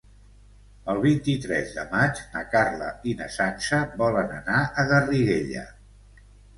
El vint-i-tres de maig na Carla i na Sança volen anar a Garriguella.